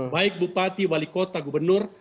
baik bupati wali kota gubernur